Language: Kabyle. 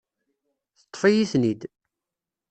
Teṭṭef-iyi-ten-id.